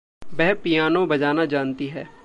वह पियानो बजाना जानती है।